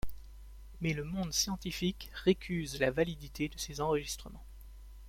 Mais le monde scientifique récuse la validité de ces enregistrements.